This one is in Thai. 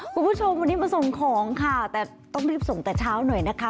คุณผู้ชมวันนี้มาส่งของค่ะแต่ต้องรีบส่งแต่เช้าหน่อยนะคะ